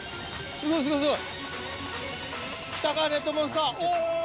すごいすごいすごい。